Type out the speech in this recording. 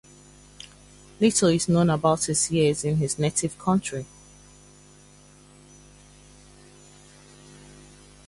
Little is known about his years in his native country.